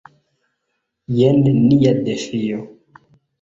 Jen nia defio.